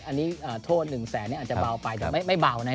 อันนี้โทษหนึ่งแสนอาจจะเบาไปแต่ไม่เบานะครับ